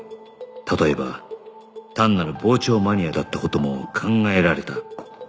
例えば単なる傍聴マニアだった事も考えられた